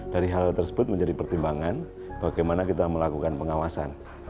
dari hal tersebut menjadi pertimbangan bagaimana kita melakukan pengawasan